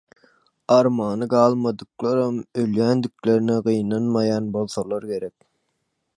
Armany galmadyklaram ölýändiklerine gynanmaýan bolsalar gerek.